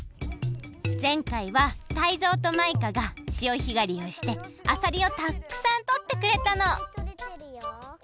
ぜんかいはタイゾウとマイカがしおひがりをしてあさりをたっくさんとってくれたの！